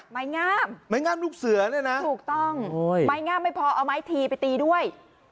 ห้ะไม้งามถูกต้องไม้งามไม่พอเอาไม้ทีไปตีด้วย